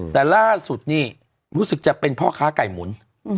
แต่ล่าสุดนี่รู้สึกจะเป็นพ่อค้าไก่หมุน